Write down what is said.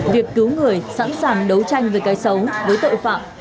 việc cứu người sẵn sàng đấu tranh với cái xấu với tội phạm